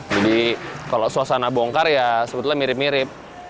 jadi kalau suasana bongkar ya sebetulnya mirip mirip